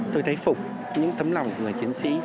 tôi thấy phục những tấm lòng người chiến sĩ